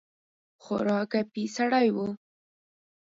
خورا ګپي سړی وو.